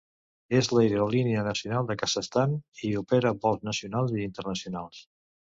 És l'aerolínia nacional del Kazakhstan, i opera vols nacionals i internacionals.